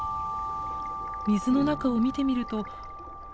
水の中を見てみると。